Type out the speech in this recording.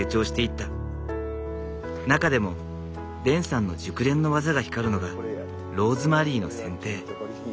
中でもデンさんの熟練の技が光るのがローズマリーの剪定。